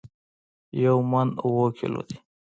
یو من اوو کیلو دي